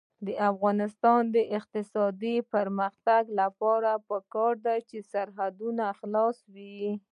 د افغانستان د اقتصادي پرمختګ لپاره پکار ده چې سرحدونه خلاص وي.